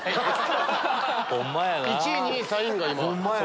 １位２位３位が今。